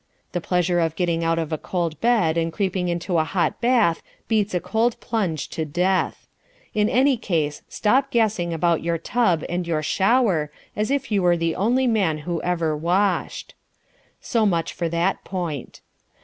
The pleasure of getting out of a cold bed and creeping into a hot bath beats a cold plunge to death. In any case, stop gassing about your tub and your "shower," as if you were the only man who ever washed. So much for that point.